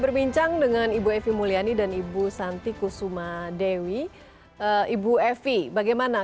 terima kasih mbak frida